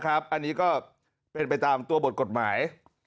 อันนี้ก็เป็นไปตามตัวบทกฎหมาย